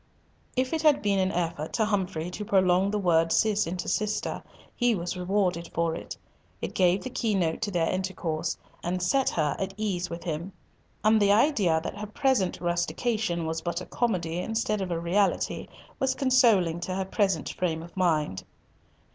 If it had been an effort to Humfrey to prolong the word Cis into sister, he was rewarded for it. It gave the key note to their intercourse, and set her at ease with him; and the idea that her present rustication was but a comedy instead of a reality was consoling in her present frame of mind.